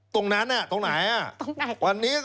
ตรงนั้นตรงไหน